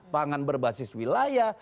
pangan berbasis wilayah